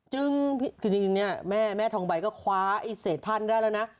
จึงทีนี้เนี้ยแม่แม่ทองใบก็คว้าไอ้เศษพันธุ์ได้แล้วน่ะ